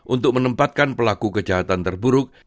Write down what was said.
untuk menempatkan pelaku kejahatan terburuk